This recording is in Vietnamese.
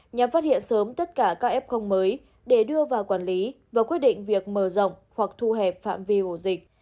nhằm phát hiện sớm tất cả các f mới để đưa vào quản lý và quyết định việc mở rộng hoặc thu hẹp phạm vi ổ dịch